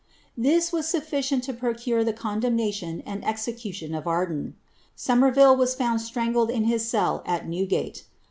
This was sufficient to procure the condemnation and execution of Arda Somerville was found strangled in his cell at New^te.